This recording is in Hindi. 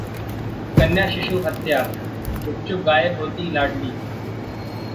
कन्या शिशु हत्या: गुपचुप गायब होती लाडली